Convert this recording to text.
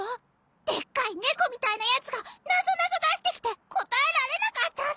でっかい猫みたいなやつがなぞなぞ出してきて答えられなかったさ！